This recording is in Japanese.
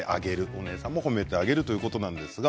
お姉ちゃんも褒めてあげるということですね。